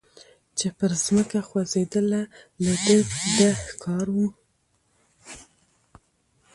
چي پر مځکه خوځېدله د ده ښکار وو